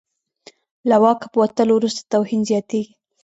له واکه په وتلو وروسته توهین زیاتېږي.